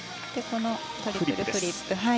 トリプルフリップ。